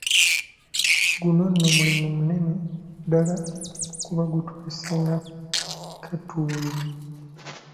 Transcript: Guno nno mulimu munene ddala kuba gutuleese n'akatuuyo.